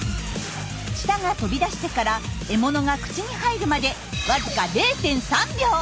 舌が飛び出してから獲物が口に入るまでわずか０．３秒！